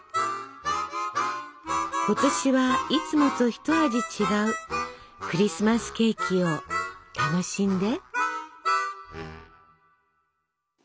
今年はいつもと一味違うクリスマスケーキを楽しんで。